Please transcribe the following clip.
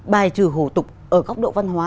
bài trừ hủ tục ở góc độ văn hóa